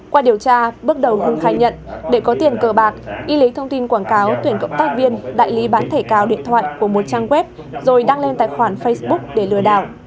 qua điều tra bước đầu hưng khai nhận để có tiền cờ bạc y lấy thông tin quảng cáo tuyển cộng tác viên đại lý bán thẻ cào điện thoại của một trang web rồi đăng lên tài khoản facebook để lừa đảo